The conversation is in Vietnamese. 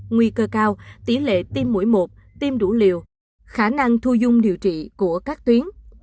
nguy cơ cao tỷ lệ tiêm mũi một tiêm đủ liều khả năng thu dung điều trị của các tuyến